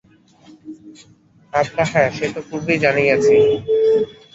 আজ্ঞা হাঁ, সে তো পূর্বেই জানাইয়াছি।